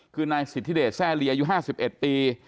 คือนายสิทธิเดชแซ่เรียอยู่๕๑ปี